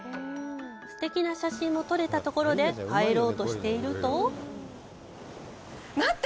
すてきな写真も撮れたところで帰ろうとしていると待って！